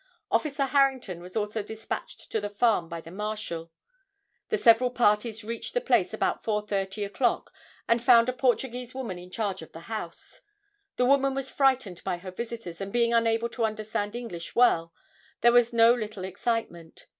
Officer Harrington was also dispatched to the farm by the Marshal. The several parties reached the place about 4:30 o'clock and found a Portuguese woman in charge of the house. The woman was frightened by her visitors, and being unable to understand English well, there was no little excitement.